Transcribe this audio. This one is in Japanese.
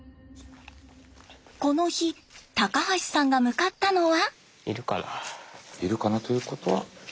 この日高橋さんが向かったのは。